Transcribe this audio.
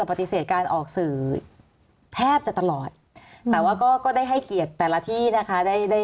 บอกสื่อแทบจะตลอดแต่ว่าก็ได้ให้เกียรติแต่ละที่นะคะ